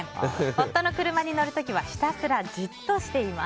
夫の車に乗る時はひたすらじっとしています。